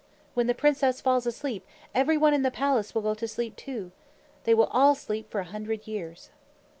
When the princess falls asleep, everyone in the palace will go to sleep, too. They will all sleep for a hundred years."